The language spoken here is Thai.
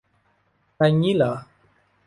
ไรงี้เหรอ